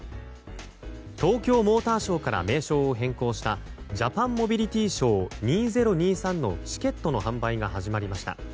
東京モーターショーから名称を変更したＪＡＰＡＮＭＯＢＩＬＩＴＹＳＨＯＷ２０２３のチケットの販売が始まりました。